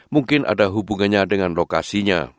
mungkin ada hubungannya dengan lokasinya